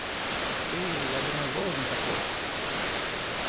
Ты, я думаю, голоден, как волк.